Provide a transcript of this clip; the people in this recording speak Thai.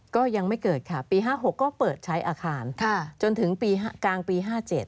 ก็ยังไม่เกิดค่ะปี๕๖ก็เปิดใช้อาคารจนถึงปีกลางปี๕๗